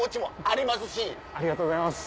ありがとうございます。